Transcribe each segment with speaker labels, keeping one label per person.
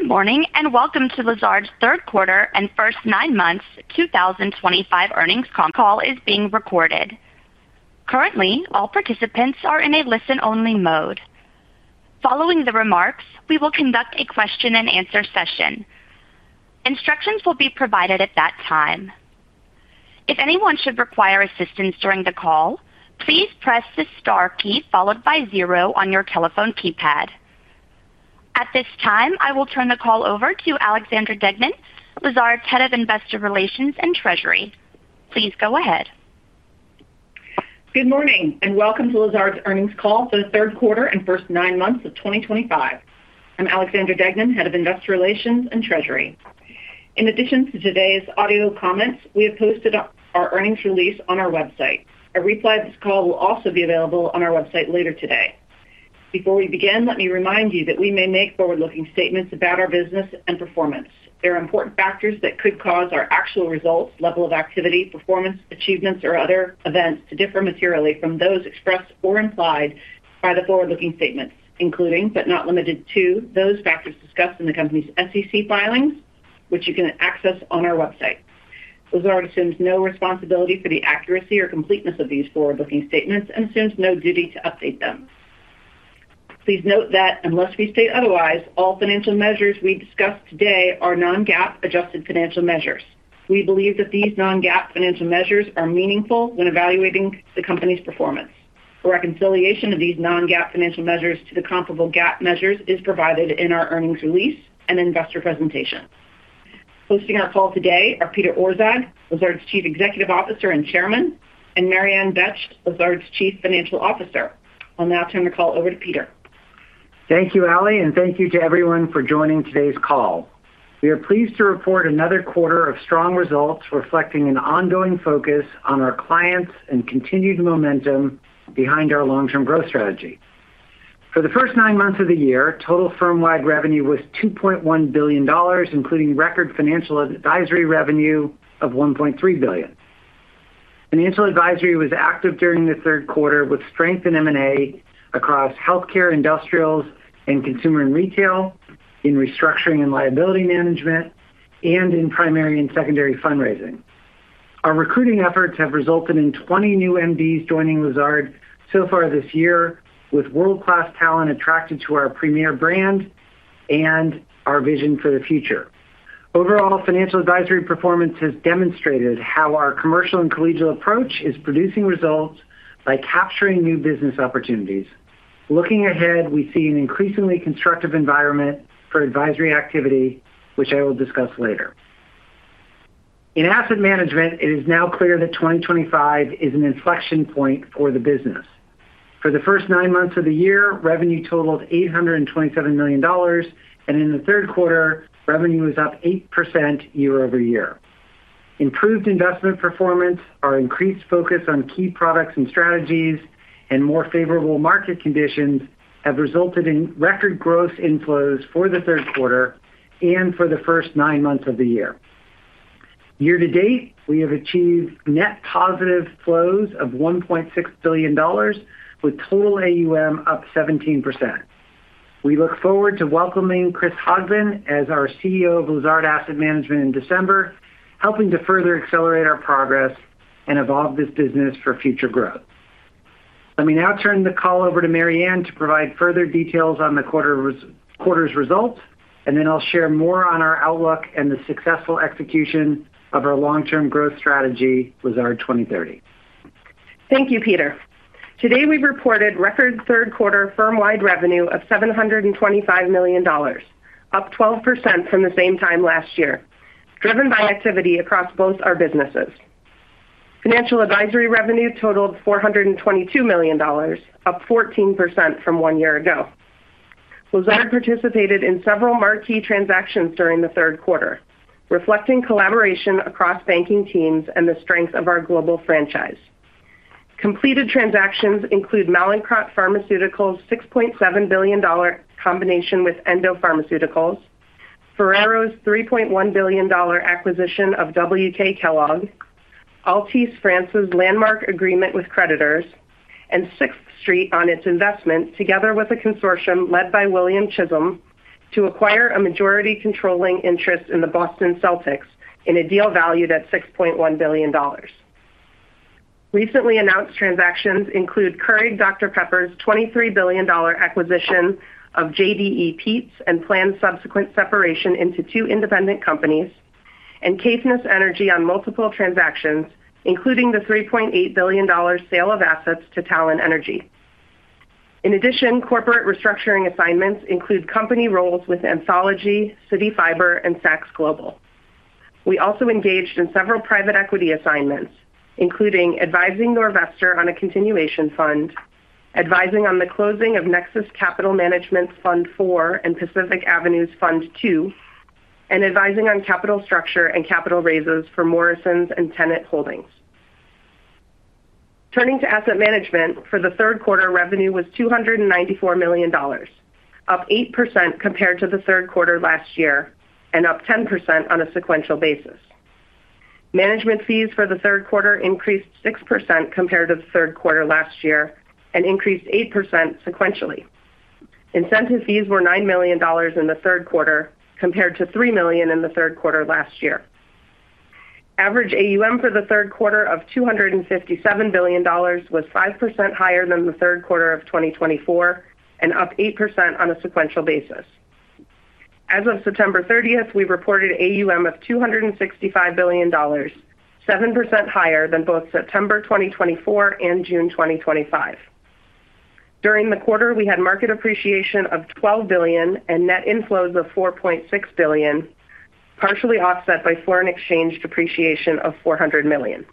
Speaker 1: Good morning and welcome to Lazard's third quarter and first nine months 2025 earnings. Call is being recorded. Currently, all participants are in a listen-only mode. Following the remarks, we will conduct a question and answer session. Instructions will be provided at that time. If anyone should require assistance during the call, please press the star key followed by zero on your telephone keypad. At this time, I will turn the call over to Alexandra Deignan, Lazard's Head of Investor Relations and Treasury. Please go ahead.
Speaker 2: Good morning and welcome to Lazard's earnings call for the third quarter and first nine months of 2025. I'm Alexandra Deignan, Head of Investor Relations and Treasury. In addition to today's audio comments, we have posted our earnings release on our website. A replay to this call will also be available on our website later today. Before we begin, let me remind you that we may make forward-looking statements about our business and performance. There are important factors that could cause our actual results, level of activity, performance, achievements, or other events to differ materially from those expressed or implied by the forward-looking statements, including but not limited to those factors discussed in the company's SEC filings, which you can access on our website. Lazard assumes no responsibility for the accuracy or completeness of these forward-looking statements and assumes no duty to update them. Please note that unless we state otherwise, all financial measures we discuss today are non-GAAP adjusted financial measures. We believe that these non-GAAP financial measures are meaningful when evaluating the company's performance. A reconciliation of these non-GAAP financial measures to the comparable GAAP measures is provided in our earnings release and investor presentation. Hosting our call today are Peter Orszag, Lazard's Chief Executive Officer and Chairman, and Mary Ann Betsch, Lazard's Chief Financial Officer. I'll now turn the call over to Peter.
Speaker 3: Thank you, Allie, and thank you to everyone for joining today's call. We are pleased to report another quarter of strong results reflecting an ongoing focus on our clients and continued momentum behind our long-term growth strategy. For the first nine months of the year, total firm-wide revenue was $2.1 billion, including record Financial Advisory revenue of $1.3 billion. Financial Advisory was active during the third quarter with strength in M&A across healthcare, industrials, and consumer and retail, in restructuring and liability management, and in primary and secondary fundraising. Our recruiting efforts have resulted in 20 new Managing Directors joining Lazard so far this year, with world-class talent attracted to our premier brand and our vision for the future. Overall, Financial Advisory performance has demonstrated how our commercial and collegial approach is producing results by capturing new business opportunities. Looking ahead, we see an increasingly constructive environment for advisory activity, which I will discuss later. In Asset Management, it is now clear that 2025 is an inflection point for the business. For the first nine months of the year, revenue totaled $827 million, and in the third quarter, revenue was up 8% year over year. Improved investment performance, our increased focus on key products and strategies, and more favorable market conditions have resulted in record gross inflows for the third quarter and for the first nine months of the year. Year to date, we have achieved net positive flows of $1.6 billion, with total AUM up 17%. We look forward to welcoming Chris Hogan as our CEO of Lazard Asset Management in December, helping to further accelerate our progress and evolve this business for future growth. Let me now turn the call over to Mary Ann to provide further details on the quarter's results, and then I'll share more on our outlook and the successful execution of our long-term growth strategy, Lazard 2030.
Speaker 4: Thank you, Peter. Today, we've reported record third-quarter firm-wide revenue of $725 million, up 12% from the same time last year, driven by activity across both our businesses. Financial Advisory revenue totaled $422 million, up 14% from one year ago. Lazard participated in several marquee transactions during the third quarter, reflecting collaboration across banking teams and the strength of our global franchise. Completed transactions include Mallinckrodt Pharmaceuticals' $6.7 billion combination with Endo Pharmaceuticals, Ferrero's $3.1 billion acquisition of W.K. Kellogg, Altice France's landmark agreement with creditors, and 6th Street on its investment, together with a consortium led by William Chisholm to acquire a majority controlling interest in the Boston Celtics in a deal valued at $6.1 billion. Recently announced transactions include Keurig Dr Pepper's $23 billion acquisition of JDE Peet's and planned subsequent separation into two independent companies, and Capstone Energy on multiple transactions, including the $3.8 billion sale of assets to Talon Energy. In addition, corporate restructuring assignments include company roles with Anthology, CityFibre, and Saks Global. We also engaged in several private equity assignments, including advising Norvestor on a continuation fund, advising on the closing of Nexus Capital Management's Fund IV and Pacific Avenue's Fund II, and advising on capital structure and capital raises for Morrisons and Tenet Holdings. Turning to Asset Management, for the third quarter, revenue was $294 million, up 8% compared to the third quarter last year, and up 10% on a sequential basis. Management fees for the third quarter increased 6% compared to the third quarter last year and increased 8% sequentially. Incentive fees were $9 million in the third quarter compared to $3 million in the third quarter last year. Average AUM for the third quarter of $257 billion was 5% higher than the third quarter of 2023 and up 8% on a sequential basis. As of September 30th, we reported AUM of $265 billion, 7% higher than both September 2023 and June 2023. During the quarter, we had market appreciation of $12 billion and net inflows of $4.6 billion, partially offset by foreign exchange depreciation of $400 million.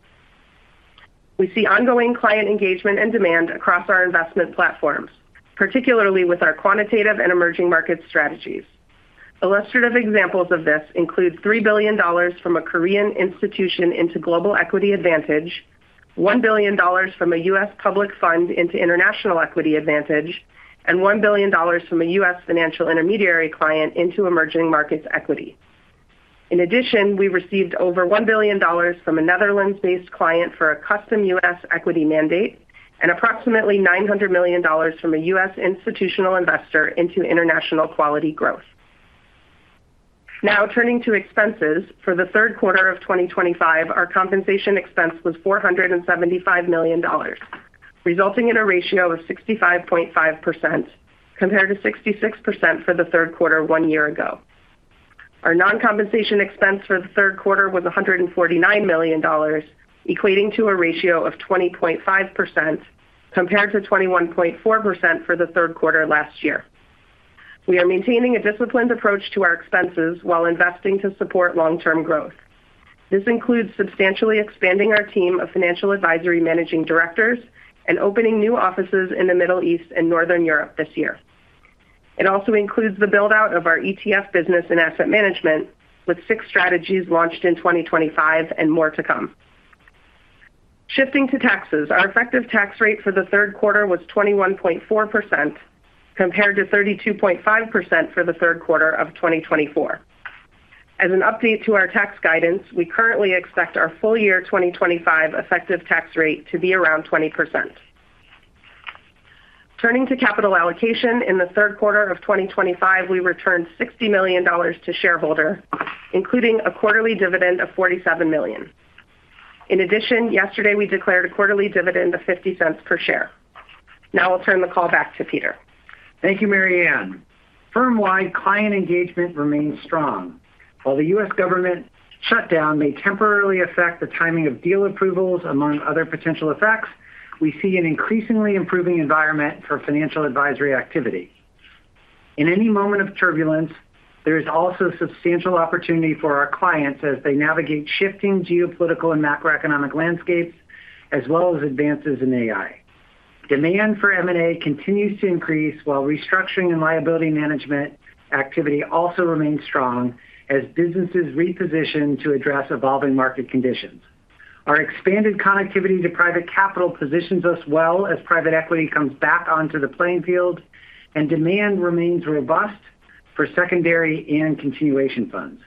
Speaker 4: We see ongoing client engagement and demand across our investment platforms, particularly with our quantitative and emerging market strategies. Illustrative examples of this include $3 billion from a Korean institution into global equity advantage, $1 billion from a U.S. public fund into international equity advantage, and $1 billion from a U.S. financial intermediary client into emerging markets equity. In addition, we received over $1 billion from a Netherlands-based client for a custom U.S. equity mandate and approximately $900 million from a U.S. institutional investor into international quality growth. Now, turning to expenses, for the third quarter of 2025, our compensation expense was $475 million, resulting in a ratio of 65.5% compared to 66% for the third quarter one year ago. Our non-compensation expense for the third quarter was $149 million, equating to a ratio of 20.5% compared to 21.4% for the third quarter last year. We are maintaining a disciplined approach to our expenses while investing to support long-term growth. This includes substantially expanding our team of Financial Advisory Managing Directors and opening new offices in the Middle East and Northern Europe this year. It also includes the build-out of our ETF business and Asset Management, with six strategies launched in 2025 and more to come. Shifting to taxes, our effective tax rate for the third quarter was 21.4% compared to 32.5% for the third quarter of 2024. As an update to our tax guidance, we currently expect our full-year 2025 effective tax rate to be around 20%. Turning to capital allocation, in the third quarter of 2025, we returned $60 million to shareholders, including a quarterly dividend of $47 million. In addition, yesterday we declared a quarterly dividend of $0.50 per share. Now I'll turn the call back to Peter.
Speaker 3: Thank you, Mary Ann. Firm-wide client engagement remains strong. While the U.S. government shutdown may temporarily affect the timing of deal approvals, among other potential effects, we see an increasingly improving environment for financial advisory activity. In any moment of turbulence, there is also substantial opportunity for our clients as they navigate shifting geopolitical and macroeconomic landscapes, as well as advances in AI. Demand for M&A continues to increase, while restructuring and liability management activity also remains strong as businesses reposition to address evolving market conditions. Our expanded connectivity to private capital positions us well as private equity comes back onto the playing field, and demand remains robust for secondary and continuation funds.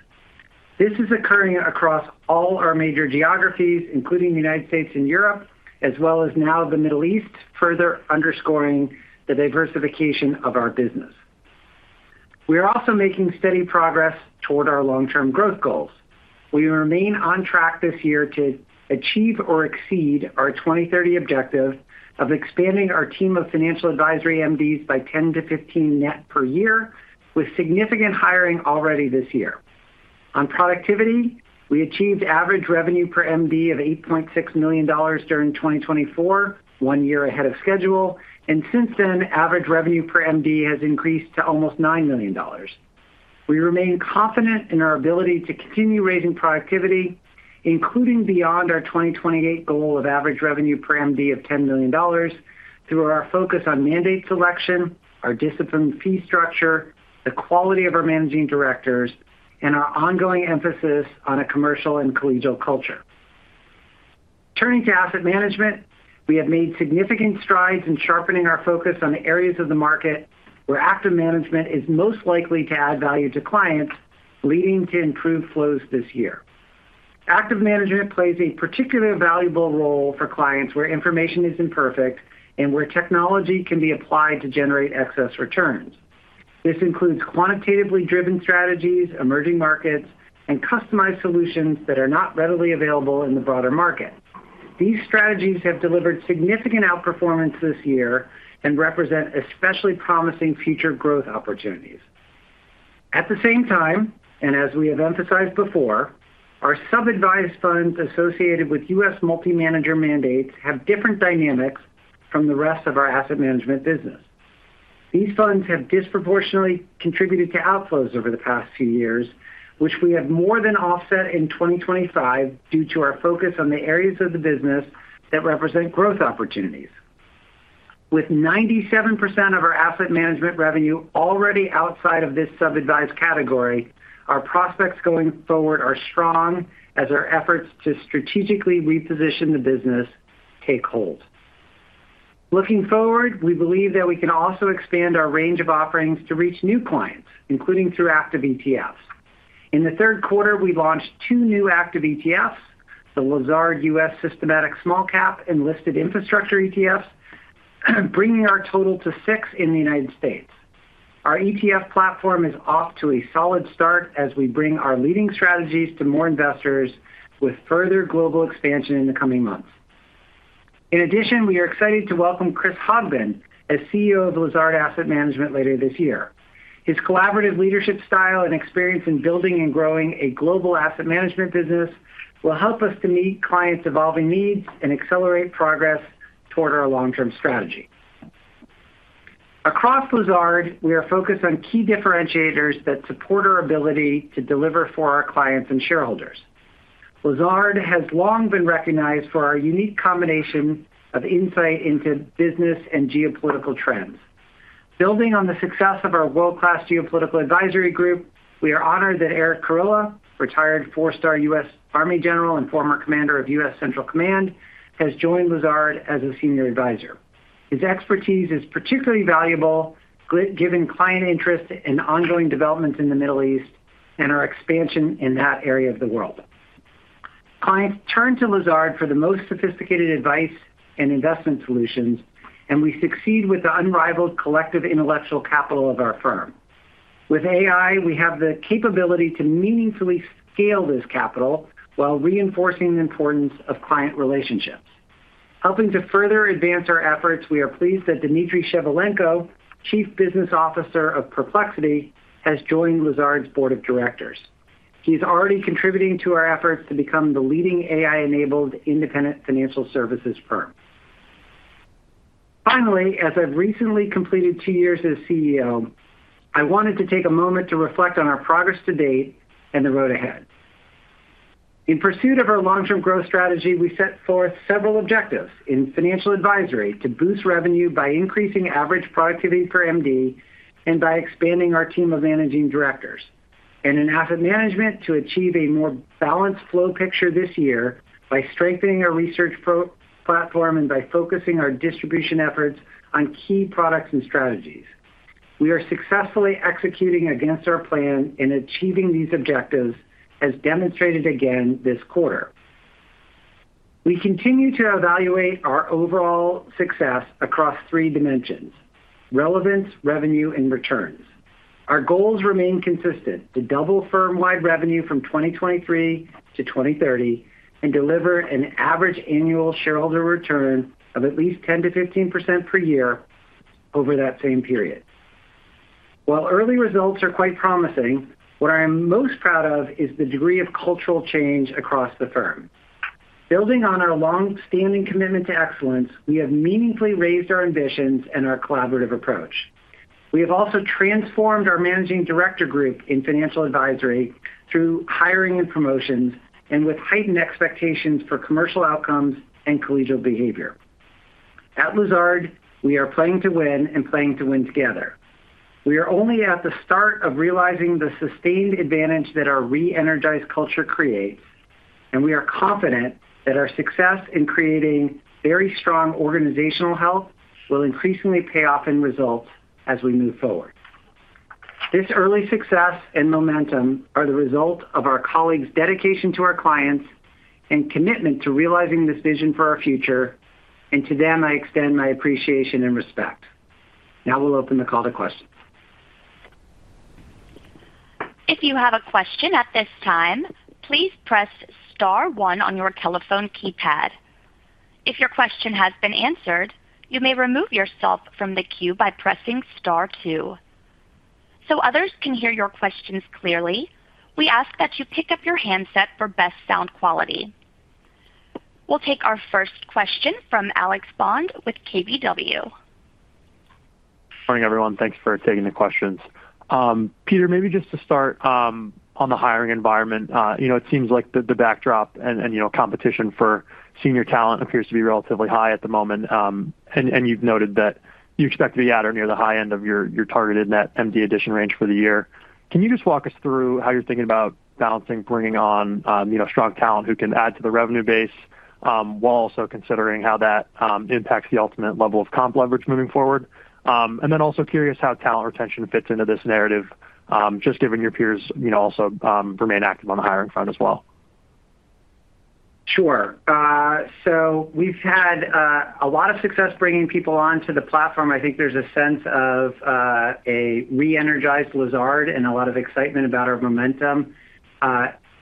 Speaker 3: This is occurring across all our major geographies, including the United States and Europe, as well as now the Middle East, further underscoring the diversification of our business. We are also making steady progress toward our long-term growth goals. We remain on track this year to achieve or exceed our 2030 objective of expanding our team of Financial Advisory MDs by 10 to 15 net per year, with significant hiring already this year. On productivity, we achieved average revenue per MD of $8.6 million during 2024, one year ahead of schedule, and since then, average revenue per MD has increased to almost $9 million. We remain confident in our ability to continue raising productivity, including beyond our 2028 goal of average revenue per MD of $10 million, through our focus on mandate selection, our discipline fee structure, the quality of our Managing Directors, and our ongoing emphasis on a commercial and collegial culture. Turning to Asset Management, we have made significant strides in sharpening our focus on areas of the market where active management is most likely to add value to clients, leading to improved flows this year. Active management plays a particularly valuable role for clients where information is imperfect and where technology can be applied to generate excess returns. This includes quantitatively driven strategies, emerging markets, and customized solutions that are not readily available in the broader market. These strategies have delivered significant outperformance this year and represent especially promising future growth opportunities. At the same time, and as we have emphasized before, our sub-advised funds associated with U.S. multi-manager mandates have different dynamics from the rest of our asset management business. These funds have disproportionately contributed to outflows over the past few years, which we have more than offset in 2025 due to our focus on the areas of the business that represent growth opportunities. With 97% of our asset management revenue already outside of this sub-advised category, our prospects going forward are strong as our efforts to strategically reposition the business take hold. Looking forward, we believe that we can also expand our range of offerings to reach new clients, including through active ETFs. In the third quarter, we launched two new active ETFs, the Lazard U.S. Systematic Small Cap and Listed Infrastructure ETFs, bringing our total to six in the U.S. Our ETF platform is off to a solid start as we bring our leading strategies to more investors with further global expansion in the coming months. In addition, we are excited to welcome Chris Hogan as CEO of Lazard Asset Management later this year. His collaborative leadership style and experience in building and growing a global asset management business will help us to meet clients' evolving needs and accelerate progress toward our long-term strategy. Across Lazard, we are focused on key differentiators that support our ability to deliver for our clients and shareholders. Lazard has long been recognized for our unique combination of insight into business and geopolitical trends. Building on the success of our world-class geopolitical advisory group, we are honored that Erik Kurilla, retired four-star U.S. Army General and former Commander of U.S. Central Command, has joined Lazard as a Senior Advisor. His expertise is particularly valuable, given client interest in ongoing developments in the Middle East and our expansion in that area of the world. Clients turn to Lazard for the most sophisticated advice and investment solutions, and we succeed with the unrivaled collective intellectual capital of our firm. With AI, we have the capability to meaningfully scale this capital while reinforcing the importance of client relationships. Helping to further advance our efforts, we are pleased that Dmitry Shevelenko, Chief Business Officer of Perplexity, has joined Lazard's Board of Directors. He is already contributing to our efforts to become the leading AI-enabled independent financial services firm. Finally, as I've recently completed two years as CEO, I wanted to take a moment to reflect on our progress to date and the road ahead. In pursuit of our long-term growth strategy, we set forth several objectives in Financial Advisory to boost revenue by increasing average productivity per MD and by expanding our team of Managing Directors, and in Asset Management to achieve a more balanced flow picture this year by strengthening our research platform and by focusing our distribution efforts on key products and strategies. We are successfully executing against our plan in achieving these objectives, as demonstrated again this quarter. We continue to evaluate our overall success across three dimensions: relevance, revenue, and returns. Our goals remain consistent to double firm-wide revenue from 2023 to 2030 and deliver an average annual shareholder return of at least 10% to 15% per year over that same period. While early results are quite promising, what I am most proud of is the degree of cultural change across the firm. Building on our long-standing commitment to excellence, we have meaningfully raised our ambitions and our collaborative approach. We have also transformed our Managing Director group in Financial Advisory through hiring and promotions and with heightened expectations for commercial outcomes and collegial behavior. At Lazard, we are playing to win and playing to win together. We are only at the start of realizing the sustained advantage that our re-energized culture creates, and we are confident that our success in creating very strong organizational health will increasingly pay off in results as we move forward. This early success and momentum are the result of our colleagues' dedication to our clients and commitment to realizing this vision for our future, and to them I extend my appreciation and respect. Now we'll open the call to questions.
Speaker 1: If you have a question at this time, please press star one on your telephone keypad. If your question has been answered, you may remove yourself from the queue by pressing star two. To ensure others can hear your questions clearly, we ask that you pick up your handset for best sound quality. We'll take our first question from Alex Bond with KBW.
Speaker 5: Morning everyone, thanks for taking the questions. Peter, maybe just to start on the hiring environment, it seems like the backdrop and competition for senior talent appears to be relatively high at the moment, and you've noted that you expect to be at or near the high end of your targeted net Managing Director addition range for the year. Can you just walk us through how you're thinking about balancing bringing on strong talent who can add to the revenue base while also considering how that impacts the ultimate level of comp leverage moving forward? Also curious how talent retention fits into this narrative, just given your peers also remain active on the hiring front as well.
Speaker 3: Sure. We've had a lot of success bringing people onto the platform. I think there's a sense of a re-energized Lazard and a lot of excitement about our momentum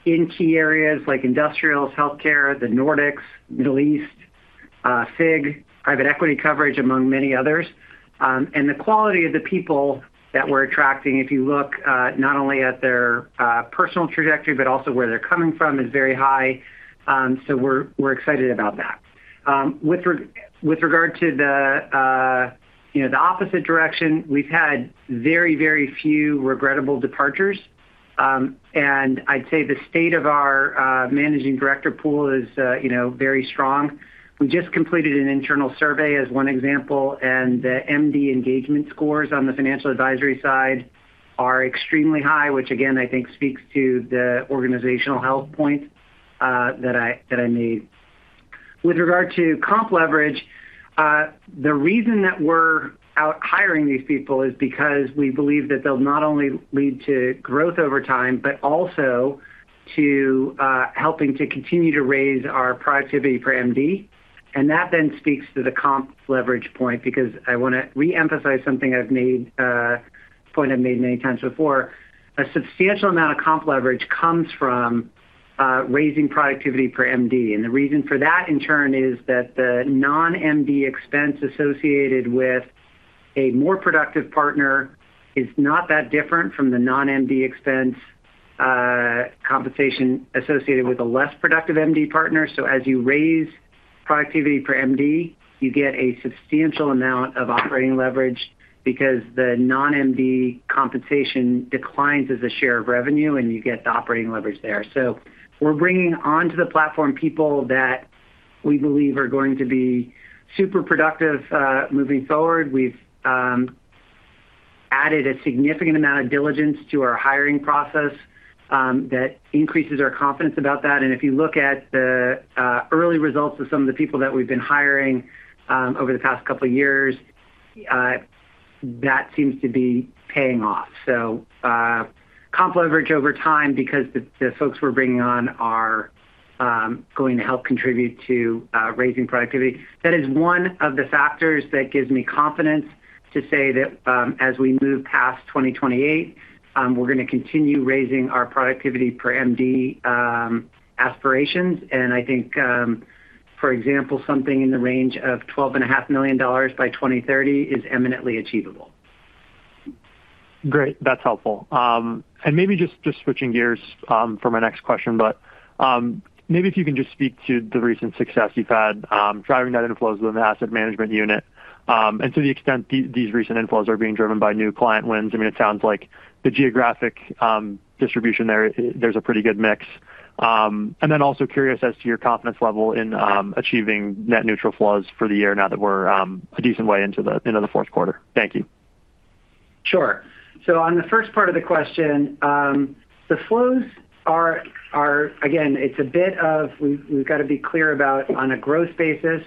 Speaker 3: in key areas like industrials, healthcare, the Nordics, Middle East, FIG, private equity coverage, among many others. The quality of the people that we're attracting, if you look not only at their personal trajectory but also where they're coming from, is very high. We're excited about that. With regard to the opposite direction, we've had very, very few regrettable departures, and I'd say the state of our Managing Director pool is very strong. We just completed an internal survey as one example, and the MD engagement scores on the Financial Advisory side are extremely high, which again I think speaks to the organizational health point that I made. With regard to comp leverage, the reason that we're out hiring these people is because we believe that they'll not only lead to growth over time but also to helping to continue to raise our productivity per MD, and that then speaks to the comp leverage point because I want to re-emphasize something, a point I've made many times before. A substantial amount of comp leverage comes from raising productivity per MD, and the reason for that in turn is that the non-MD expense associated with a more productive partner is not that different from the non-MD expense compensation associated with a less productive MD partner. As you raise productivity per MD, you get a substantial amount of operating leverage because the non-MD compensation declines as a share of revenue, and you get the operating leverage there. We're bringing onto the platform people that we believe are going to be super productive moving forward. We've added a significant amount of diligence to our hiring process that increases our confidence about that, and if you look at the early results of some of the people that we've been hiring over the past couple of years, that seems to be paying off. Comp leverage over time, because the folks we're bringing on, are going to help contribute to raising productivity. That is one of the factors that gives me confidence to say that as we move past 2028, we're going to continue raising our productivity per MD aspirations, and I think, for example, something in the range of $12.5 million by 2030 is eminently achievable.
Speaker 5: Great, that's helpful. Maybe just switching gears for my next question, if you can just speak to the recent success you've had driving net inflows with an asset management unit and to the extent these recent inflows are being driven by new client wins. It sounds like the geographic distribution there, there's a pretty good mix. I'm also curious as to your confidence level in achieving net neutral flows for the year now that we're a decent way into the fourth quarter. Thank you.
Speaker 3: Sure. On the first part of the question, the flows are, again, it's a bit of we've got to be clear about on a gross basis,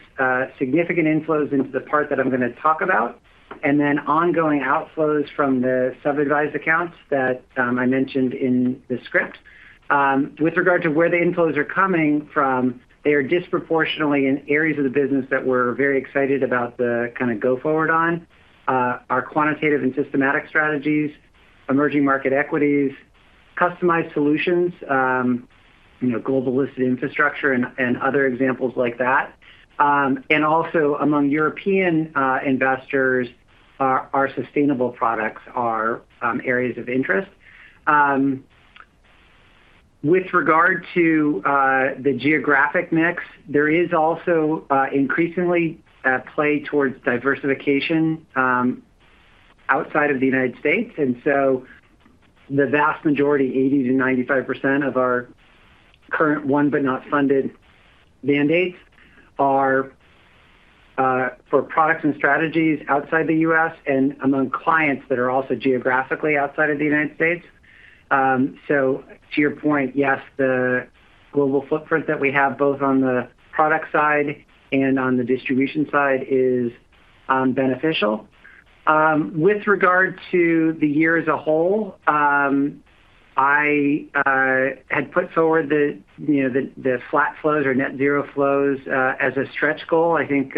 Speaker 3: significant inflows into the part that I'm going to talk about, and then ongoing outflows from the sub-advised accounts that I mentioned in the script. With regard to where the inflows are coming from, they are disproportionately in areas of the business that we're very excited about the kind of go forward on. Our quantitative and systematic strategies, emerging market equities, customized solutions, global listed infrastructure, and other examples like that. Also among European investors, our sustainable products are areas of interest. With regard to the geographic mix, there is also increasingly a play towards diversification outside of the U.S., and the vast majority, 80% to 95% of our current one but not funded mandates are for products and strategies outside the U.S. and among clients that are also geographically outside of the United States. To your point, yes, the global footprint that we have both on the product side and on the distribution side is beneficial. With regard to the year as a whole, I had put forward the flat flows or net zero flows as a stretch goal. I think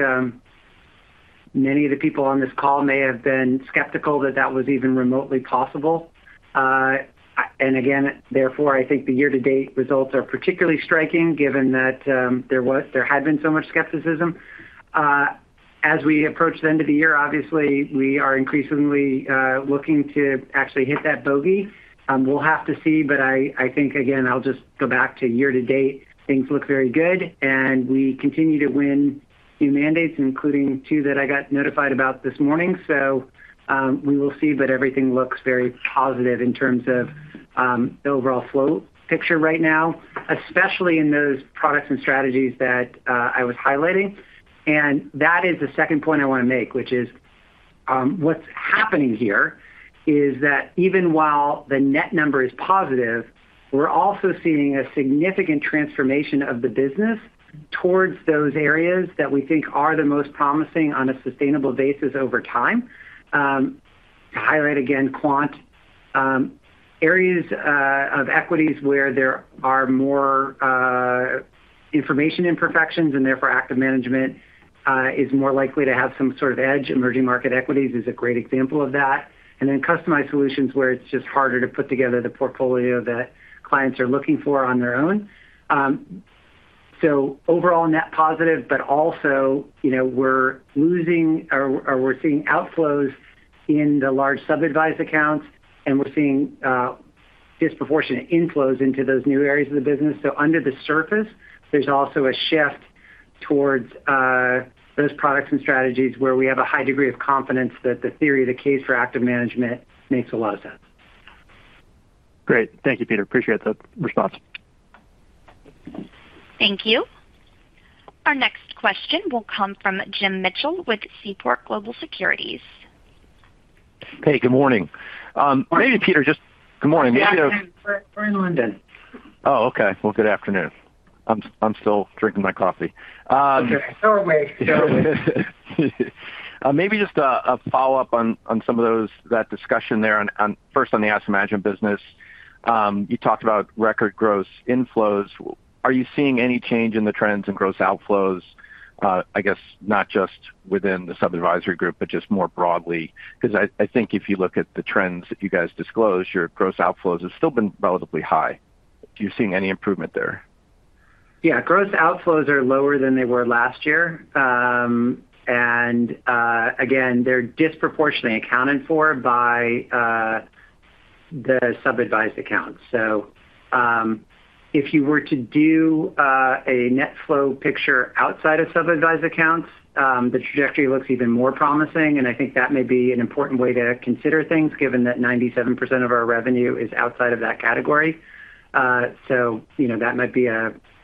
Speaker 3: many of the people on this call may have been skeptical that that was even remotely possible. Therefore, I think the year-to-date results are particularly striking given that there had been so much skepticism. As we approach the end of the year, obviously, we are increasingly looking to actually hit that bogey. We'll have to see, but I think, again, I'll just go back to year-to-date, things look very good, and we continue to win new mandates, including two that I got notified about this morning. We will see, but everything looks very positive in terms of the overall flow picture right now, especially in those products and strategies that I was highlighting. That is the second point I want to make, which is what's happening here is that even while the net number is positive, we're also seeing a significant transformation of the business towards those areas that we think are the most promising on a sustainable basis over time. To highlight again, quant areas of equities where there are more information imperfections and therefore active management is more likely to have some sort of edge. Emerging market equities is a great example of that. Then customized solutions where it's just harder to put together the portfolio that clients are looking for on their own. Overall net positive, but also we're losing or we're seeing outflows in the large sub-advised accounts, and we're seeing disproportionate inflows into those new areas of the business. Under the surface, there's also a shift towards those products and strategies where we have a high degree of confidence that the theory of the case for active management makes a lot of sense.
Speaker 5: Great. Thank you, Peter. Appreciate the response.
Speaker 1: Thank you. Our next question will come from Jim Mitchell with Seaport Global Securities.
Speaker 6: Hey, good morning. Or maybe, Peter, just good morning.
Speaker 3: Good morning. We're in London.
Speaker 6: Oh, okay. Good afternoon. I'm still drinking my coffee.
Speaker 3: Go away. Go away.
Speaker 6: Maybe just a follow-up on some of that discussion there. First, on the Asset Management business, you talked about record gross inflows. Are you seeing any change in the trends in gross outflows, I guess not just within the sub-advisory group but just more broadly? Because I think if you look at the trends that you guys disclosed, your gross outflows have still been relatively high. Are you seeing any improvement there?
Speaker 3: Gross outflows are lower than they were last year, and again, they're disproportionately accounted for by the sub-advised accounts. If you were to do a net flow picture outside of sub-advised accounts, the trajectory looks even more promising, and I think that may be an important way to consider things given that 97% of our revenue is outside of that category. That might be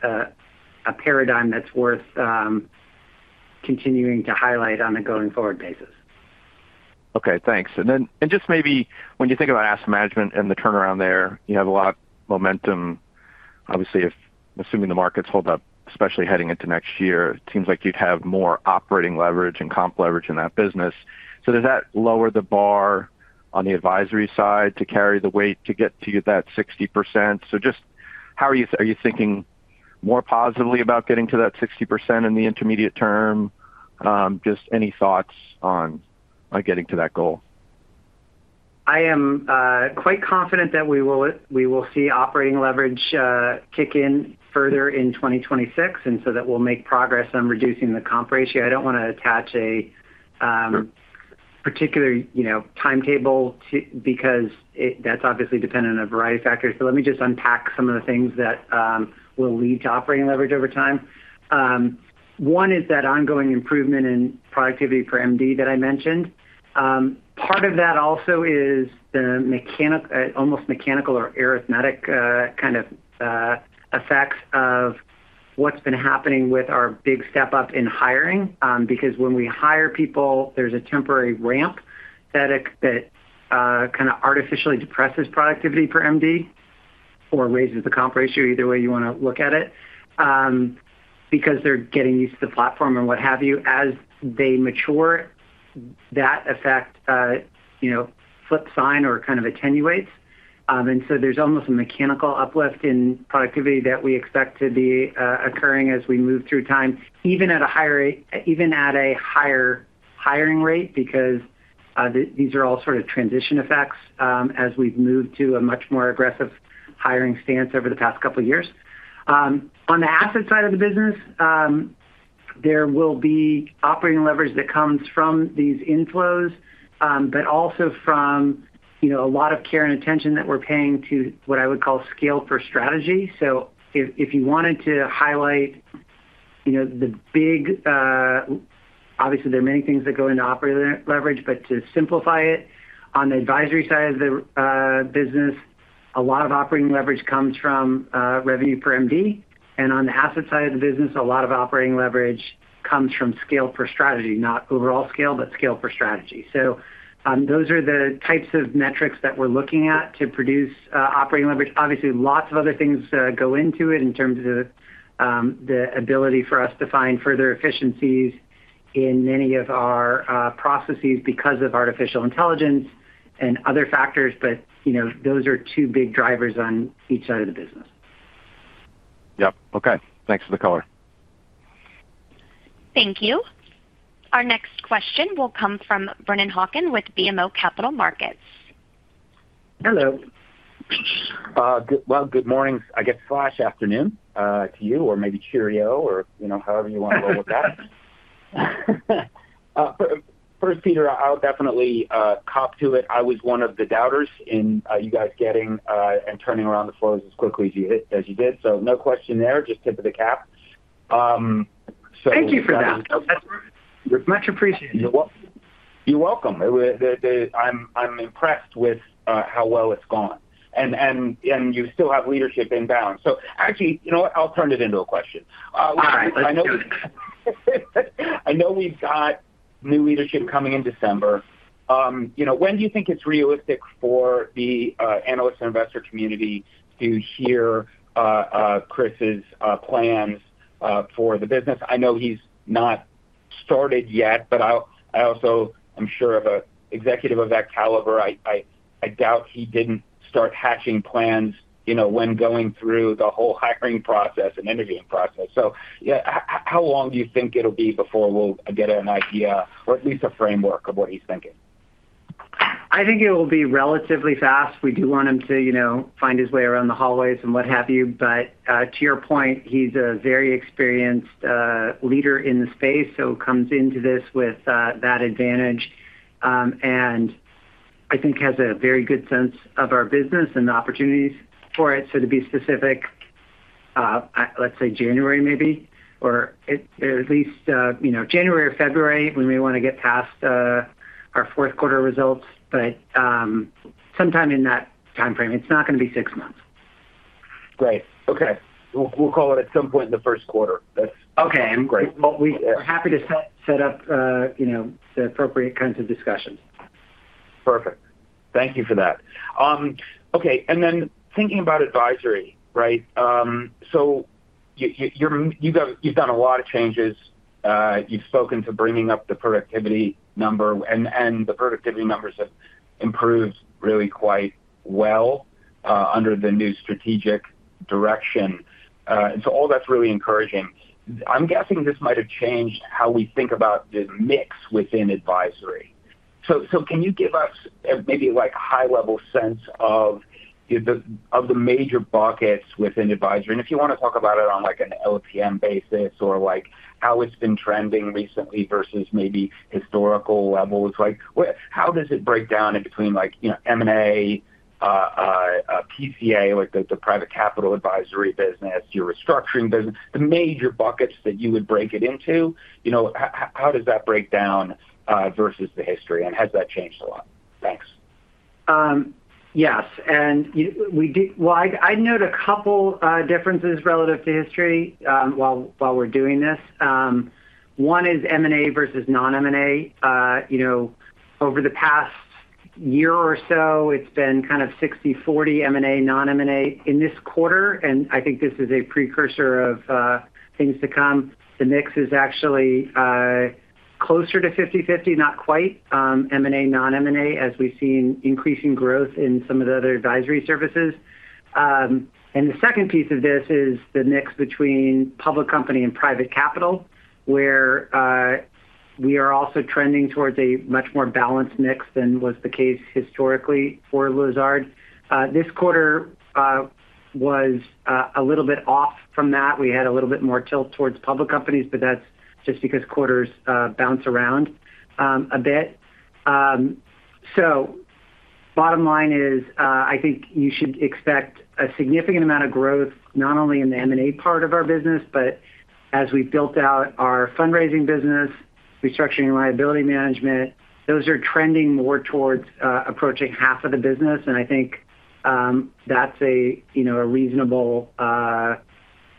Speaker 3: a paradigm that's worth continuing to highlight on a going-forward basis.
Speaker 6: Okay, thanks. Maybe when you think about Asset Management and the turnaround there, you have a lot of momentum. Obviously, assuming the markets hold up, especially heading into next year, it seems like you'd have more operating leverage and comp leverage in that business. Does that lower the bar on the advisory side to carry the weight to get to that 60%? How are you thinking more positively about getting to that 60% in the intermediate term? Any thoughts on getting to that goal?
Speaker 3: I am quite confident that we will see operating leverage kick in further in 2026, and that we'll make progress on reducing the comp ratio. I don't want to attach a particular timetable because that's obviously dependent on a variety of factors. Let me just unpack some of the things that will lead to operating leverage over time. One is that ongoing improvement in productivity per MD that I mentioned. Part of that also is the almost mechanical or arithmetic kind of effects of what's been happening with our big step up in hiring. When we hire people, there's a temporary ramp that kind of artificially depresses productivity per MD or raises the comp ratio, either way you want to look at it, because they're getting used to the platform and what have you. As they mature, that effect flips side or kind of attenuates. There's almost a mechanical uplift in productivity that we expect to be occurring as we move through time, even at a higher hiring rate because these are all sort of transition effects as we've moved to a much more aggressive hiring stance over the past couple of years. On the asset side of the business, there will be operating leverage that comes from these inflows, but also from a lot of care and attention that we're paying to what I would call scale for strategy. If you wanted to highlight the big, obviously, there are many things that go into operating leverage, but to simplify it, on the advisory side of the business, a lot of operating leverage comes from revenue per MD. On the asset side of the business, a lot of operating leverage comes from scale for strategy, not overall scale but scale for strategy. Those are the types of metrics that we're looking at to produce operating leverage. Obviously, lots of other things go into it in terms of the ability for us to find further efficiencies in many of our processes because of artificial intelligence and other factors, but those are two big drivers on each side of the business.
Speaker 6: Yep. Okay, thanks for the color.
Speaker 1: Thank you. Our next question will come from Brennan Hawken with BMO Capital Markets.
Speaker 7: Hello. Good morning. I guess slash afternoon to you, or maybe Cheerio, or however you want to roll with that. First, Peter, I'll definitely cope to it. I was one of the doubters in you guys getting and turning around the flows as quickly as you did. No question there, just tip of the cap.
Speaker 3: Thank you for that.
Speaker 7: No problem.
Speaker 3: It's much appreciated.
Speaker 7: You're welcome. I'm impressed with how well it's gone. You still have leadership inbound. Actually, you know what? I'll turn it into a question.
Speaker 3: Sure.
Speaker 7: I know we've got new leadership coming in December. When do you think it's realistic for the analyst and investor community to hear Chris's plans for the business? I know he's not started yet, but I also am sure of an executive of that caliber. I doubt he didn't start hatching plans when going through the whole hiring process and interviewing process. How long do you think it'll be before we'll get an idea or at least a framework of what he's thinking?
Speaker 3: I think it will be relatively fast. We do want him to find his way around the hallways and what have you. To your point, he's a very experienced leader in the space, so comes into this with that advantage, and I think has a very good sense of our business and the opportunities for it. To be specific, let's say January maybe, or at least January or February. We may want to get past our fourth quarter results, but sometime in that timeframe, it's not going to be six months.
Speaker 7: Great. Okay. We'll call it at some point in the first quarter.
Speaker 3: Okay.
Speaker 7: Great.
Speaker 3: We're happy to set up the appropriate kinds of discussions.
Speaker 7: Perfect. Thank you for that. Okay. Thinking about advisory, right? You've done a lot of changes. You've spoken to bringing up the productivity number, and the productivity numbers have improved really quite well under the new strategic direction. All that's really encouraging. I'm guessing this might have changed how we think about the mix within advisory. Can you give us maybe a high-level sense of the major buckets within advisory? If you want to talk about it on like an LPM basis or how it's been trending recently versus maybe historical levels, how does it break down in between like M&A, PCA, like the private capital advisory business, your restructuring business, the major buckets that you would break it into? How does that break down versus the history, and has that changed a lot? Thanks.
Speaker 3: Yes. I'd note a couple differences relative to history while we're doing this. One is M&A versus non-M&A. Over the past year or so, it's been kind of 60/40 M&A, non-M&A. In this quarter, and I think this is a precursor of things to come, the mix is actually closer to 50/50, not quite, M&A, non-M&A, as we've seen increasing growth in some of the other advisory services. The second piece of this is the mix between public company and private capital, where we are also trending towards a much more balanced mix than was the case historically for Lazard. This quarter was a little bit off from that. We had a little bit more tilt towards public companies, but that's just because quarters bounce around a bit. The bottom line is I think you should expect a significant amount of growth not only in the M&A part of our business, but as we've built out our fundraising business, restructuring and liability management, those are trending more towards approaching half of the business. I think that's a reasonable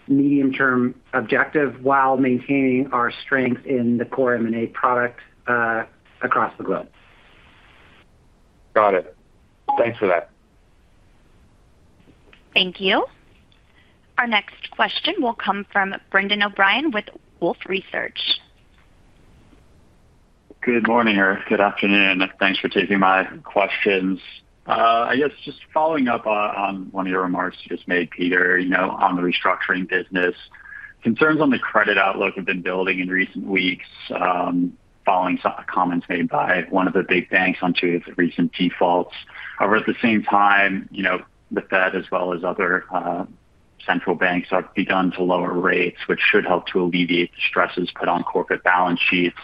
Speaker 3: medium-term objective while maintaining our strength in the core M&A product across the globe.
Speaker 7: Got it. Thanks for that.
Speaker 1: Thank you. Our next question will come from Brendan O’Brien with Wolfe Research.
Speaker 8: Good morning, or good afternoon. Thanks for taking my questions. I guess just following up on one of your remarks you just made, Peter, on the restructuring business. Concerns on the credit outlook have been building in recent weeks following comments made by one of the big banks on two of the recent defaults. However, at the same time, the Fed as well as other central banks have begun to lower rates, which should help to alleviate the stresses put on corporate balance sheets.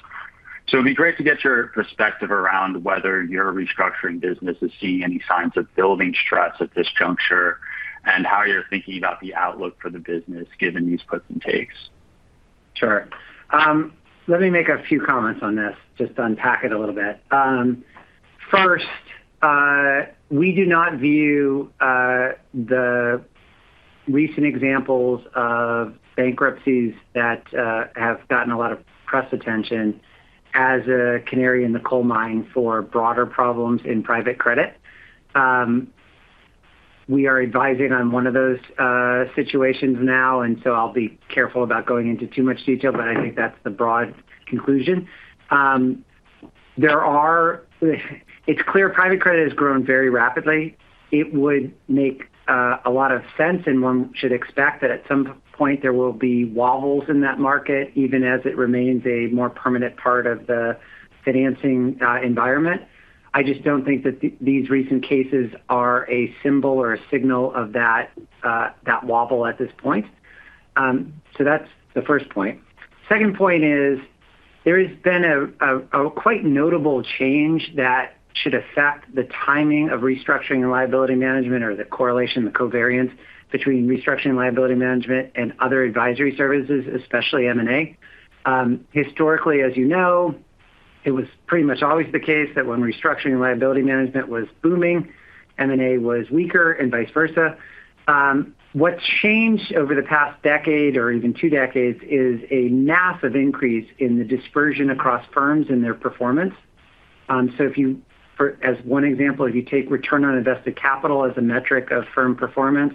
Speaker 8: It would be great to get your perspective around whether your restructuring business is seeing any signs of building stress at this juncture and how you're thinking about the outlook for the business given these puts and takes.
Speaker 3: Sure. Let me make a few comments on this, just to unpack it a little bit. First, we do not view the recent examples of bankruptcies that have gotten a lot of press attention as a canary in the coal mine for broader problems in private credit. We are advising on one of those situations now, and I'll be careful about going into too much detail, but I think that's the broad conclusion. It's clear private credit has grown very rapidly. It would make a lot of sense, and one should expect that at some point there will be wobbles in that market, even as it remains a more permanent part of the financing environment. I just don't think that these recent cases are a symbol or a signal of that wobble at this point. That's the first point. The second point is there has been a quite notable change that should affect the timing of restructuring and liability management or the correlation, the covariance between restructuring and liability management and other advisory services, especially M&A. Historically, as you know, it was pretty much always the case that when restructuring and liability management was booming, M&A was weaker and vice versa. What's changed over the past decade or even two decades is a massive increase in the dispersion across firms in their performance. If you, as one example, if you take return on invested capital as a metric of firm performance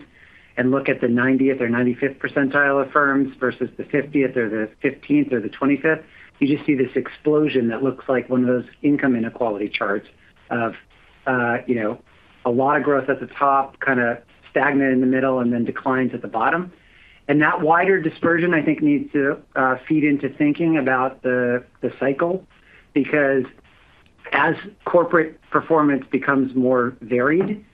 Speaker 3: and look at the 90th or 95th percentile of firms versus the 50th or the 15th or the 25th, you just see this explosion that looks like one of those income inequality charts of a lot of growth at the top, kind of stagnant in the middle, and then declines at the bottom. That wider dispersion I think needs to feed into thinking about the cycle because as corporate performance becomes more varied,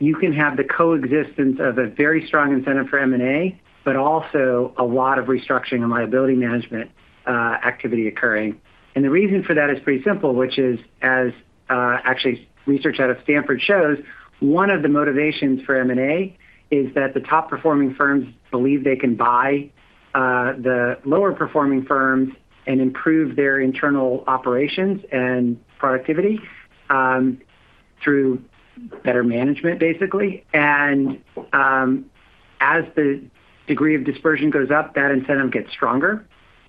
Speaker 3: you can have the coexistence of a very strong incentive for M&A, but also a lot of restructuring and liability management activity occurring. The reason for that is pretty simple, which is, as actually research out of Stanford shows, one of the motivations for M&A is that the top-performing firms believe they can buy the lower-performing firms and improve their internal operations and productivity through better management, basically. As the degree of dispersion goes up, that incentive gets stronger.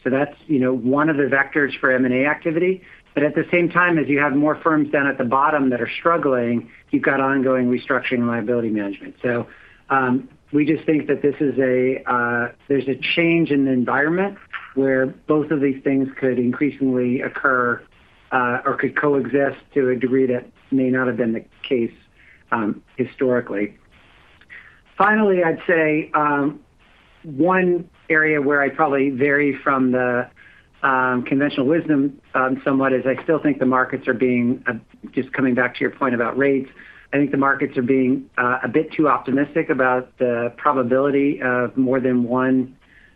Speaker 3: That's one of the vectors for M&A activity. At the same time, as you have more firms down at the bottom that are struggling, you've got ongoing restructuring and liability management. We just think that there's a change in the environment where both of these things could increasingly occur or could coexist to a degree that may not have been the case historically. Finally, I'd say one area where I'd probably vary from the conventional wisdom somewhat is I still think the markets are being, just coming back to your point about rates, I think the markets are being a bit too optimistic about the probability of more than one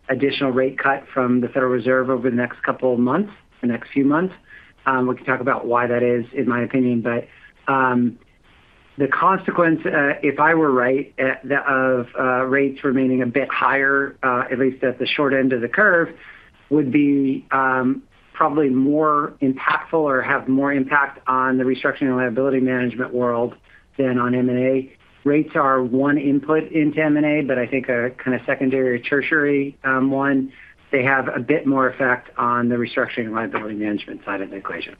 Speaker 3: additional rate cut from the Federal Reserve over the next couple of months, the next few months. We can talk about why that is, in my opinion. The consequence, if I were right, of rates remaining a bit higher, at least at the short end of the curve, would be probably more impactful or have more impact on the restructuring and liability management world than on M&A. Rates are one input into M&A, but I think a kind of secondary or tertiary one. They have a bit more effect on the restructuring and liability management side of the equation.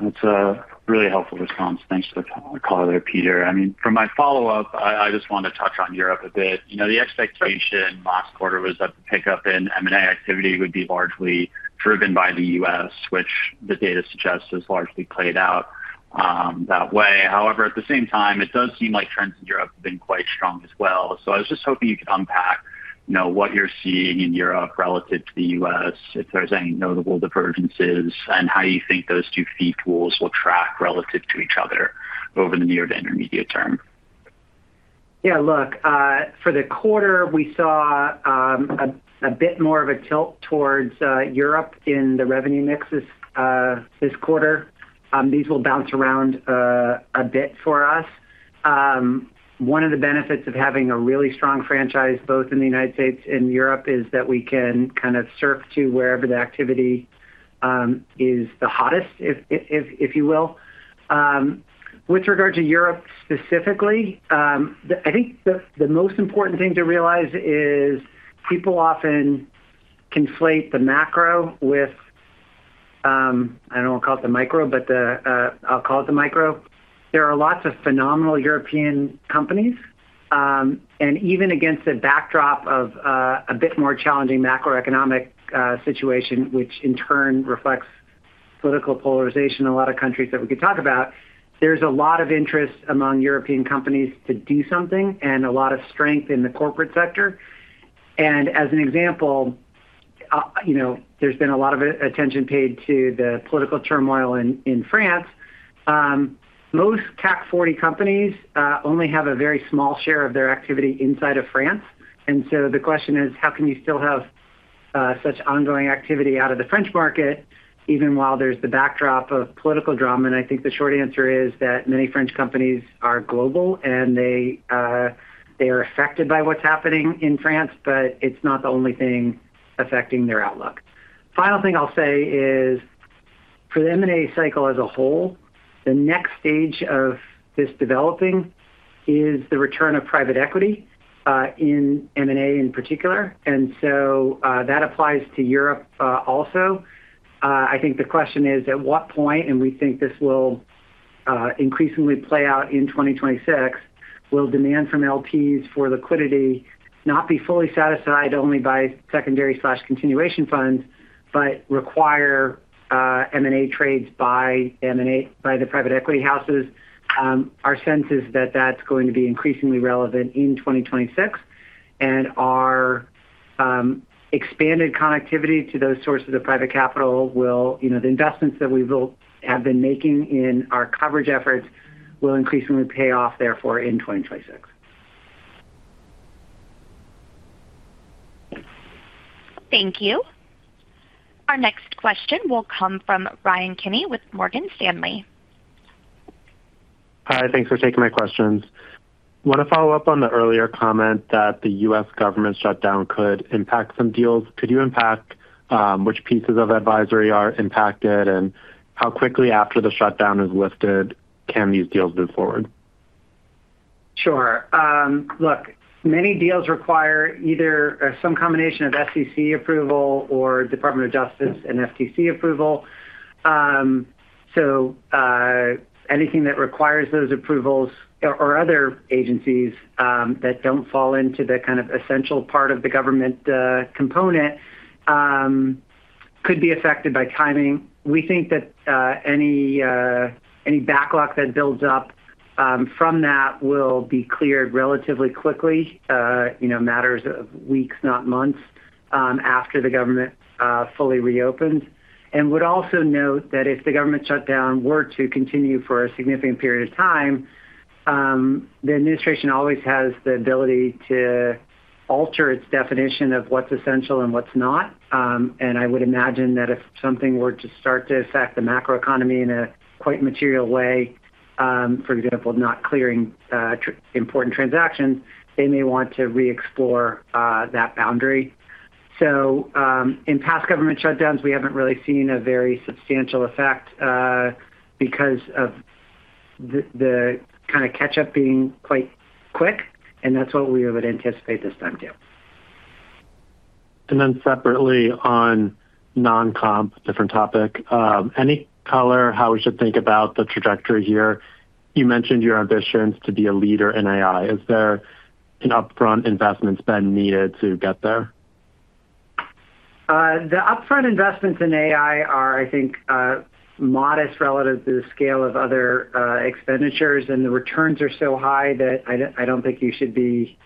Speaker 8: That's a really helpful response. Thanks for the call there, Peter. For my follow-up, I just want to touch on Europe a bit. The expectation last quarter was that the pickup in M&A activity would be largely driven by the U.S., which the data suggests has largely played out that way. However, at the same time, it does seem like trends in Europe have been quite strong as well. I was just hoping you could unpack what you're seeing in Europe relative to the U.S., if there's any notable divergences, and how you think those two fee pools will track relative to each other over the near to intermediate term.
Speaker 3: Yeah, look, for the quarter, we saw a bit more of a tilt towards Europe in the revenue mixes this quarter. These will bounce around a bit for us. One of the benefits of having a really strong franchise both in the United States and Europe is that we can kind of surf to wherever the activity is the hottest, if you will. With regard to Europe specifically, I think the most important thing to realize is people often conflate the macro with, I don't want to call it the micro, but I'll call it the micro. There are lots of phenomenal European companies, and even against a backdrop of a bit more challenging macroeconomic situation, which in turn reflects political polarization in a lot of countries that we could talk about, there's a lot of interest among European companies to do something and a lot of strength in the corporate sector. As an example, there's been a lot of attention paid to the political turmoil in France. Most CAC 40 companies only have a very small share of their activity inside of France. The question is, how can you still have such ongoing activity out of the French market even while there's the backdrop of political drama? I think the short answer is that many French companies are global and they are affected by what's happening in France, but it's not the only thing affecting their outlook. Final thing I'll say is for the M&A cycle as a whole, the next stage of this developing is the return of private equity in M&A in particular. That applies to Europe also. I think the question is at what point, and we think this will increasingly play out in 2026, will demand from LPs for liquidity not be fully satisfied only by secondary/continuation funds but require M&A trades by the private equity houses. Our sense is that that's going to be increasingly relevant in 2026, and our expanded connectivity to those sources of private capital will, you know, the investments that we will have been making in our coverage efforts will increasingly pay off therefore in 2026.
Speaker 1: Thank you. Our next question will come from Ryan Kenny with Morgan Stanley.
Speaker 9: Hi, thanks for taking my questions. I want to follow up on the earlier comment that the U.S. government shutdown could impact some deals. Could you unpack which pieces of advisory are impacted and how quickly after the shutdown is lifted can these deals move forward?
Speaker 3: Sure. Look, many deals require either some combination of SEC approval or Department of Justice and FTC approval. Anything that requires those approvals or other agencies that don't fall into the kind of essential part of the government component could be affected by timing. We think that any backlog that builds up from that will be cleared relatively quickly, matters of weeks, not months, after the government fully reopens. I would also note that if the government shutdown were to continue for a significant period of time, the administration always has the ability to alter its definition of what's essential and what's not. I would imagine that if something were to start to affect the macroeconomy in a quite material way, for example, not clearing important transactions, they may want to re-explore that boundary. In past government shutdowns, we haven't really seen a very substantial effect because of the kind of catch-up being quite quick, and that's what we would anticipate this time too.
Speaker 9: Separately, on non-comp, different topic, any color how we should think about the trajectory here? You mentioned your ambitions to be a leader in AI. Is there an upfront investment spend needed to get there?
Speaker 3: The upfront investments in AI are, I think, modest relative to the scale of other expenditures, and the returns are so high that I don't think you should be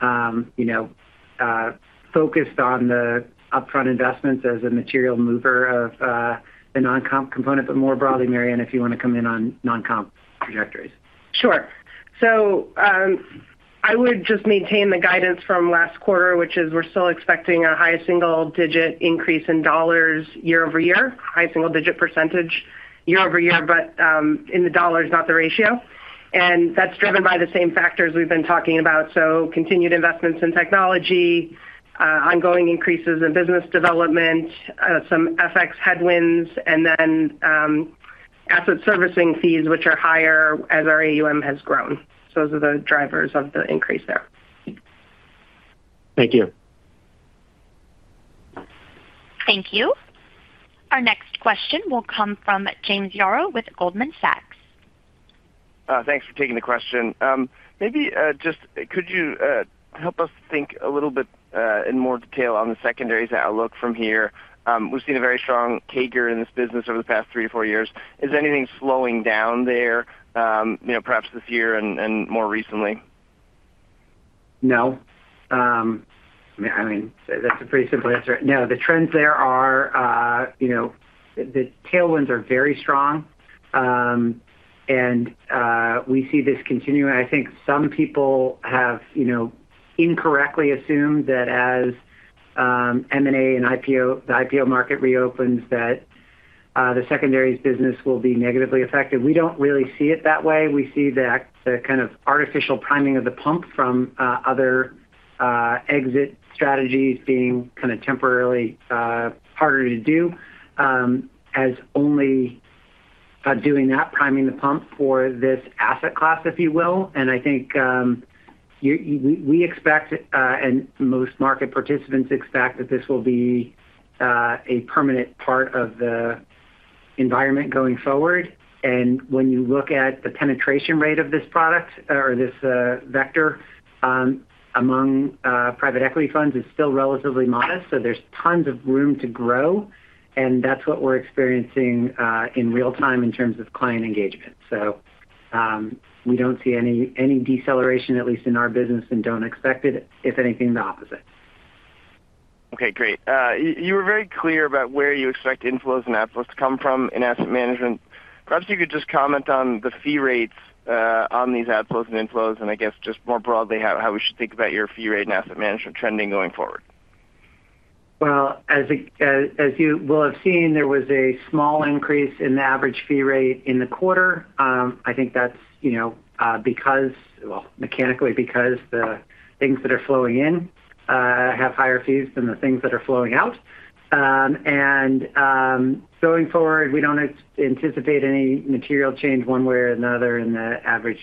Speaker 3: focused on the upfront investments as a material mover of the non-comp component, but more broadly, Mary Ann, if you want to come in on non-comp trajectories.
Speaker 4: Sure. I would just maintain the guidance from last quarter, which is we're still expecting a high single-digit increase in dollars year over year, high single-digit % year over year, but in the dollars, not the ratio. That's driven by the same factors we've been talking about: continued investments in technology, ongoing increases in business development, some FX headwinds, and then asset servicing fees, which are higher as our AUM has grown. Those are the drivers of the increase there.
Speaker 9: Thank you.
Speaker 1: Thank you. Our next question will come from James Yaro with Goldman Sachs.
Speaker 10: Thanks for taking the question. Maybe just could you help us think a little bit in more detail on the secondary's outlook from here? We've seen a very strong CAGR in this business over the past three to four years. Is anything slowing down there, perhaps this year and more recently?
Speaker 3: No. I mean, that's a pretty simple answer. No, the trends there are, you know, the tailwinds are very strong, and we see this continuing. I think some people have, you know, incorrectly assumed that as M&A and the IPO market reopens, the secondary's business will be negatively affected. We don't really see it that way. We see that the kind of artificial priming of the pump from other exit strategies being kind of temporarily harder to do is only doing that priming the pump for this asset class, if you will. I think we expect, and most market participants expect, that this will be a permanent part of the environment going forward. When you look at the penetration rate of this product or this vector among private equity funds, it's still relatively modest. There's tons of room to grow, and that's what we're experiencing in real time in terms of client engagement. We don't see any deceleration, at least in our business, and don't expect it, if anything, the opposite.
Speaker 10: Okay, great. You were very clear about where you expect inflows and outflows to come from in Asset Management. Perhaps you could just comment on the fee rates on these outflows and inflows, and I guess just more broadly how we should think about your fee rate and Asset Management trending going forward.
Speaker 3: As you will have seen, there was a small increase in the average fee rate in the quarter. I think that's, you know, because, mechanically, the things that are flowing in have higher fees than the things that are flowing out. Going forward, we don't anticipate any material change one way or another in the average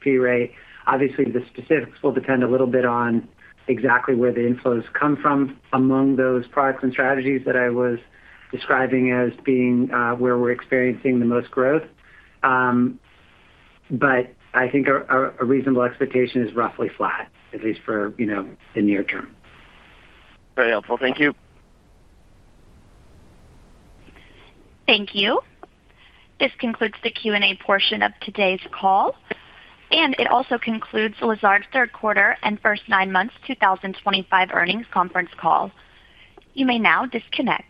Speaker 3: fee rate. Obviously, the specifics will depend a little bit on exactly where the inflows come from among those products and strategies that I was describing as being where we're experiencing the most growth. I think a reasonable expectation is roughly flat, at least for the near term.
Speaker 10: Very helpful. Thank you.
Speaker 1: Thank you. This concludes the Q&A portion of today's call, and it also concludes Lazard's third quarter and first nine months 2025 earnings conference call. You may now disconnect.